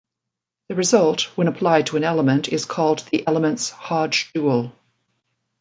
The result when applied to an element is called the element's Hodge dual.